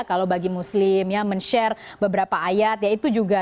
kalau bagi muslim ya men share beberapa ayat ya itu juga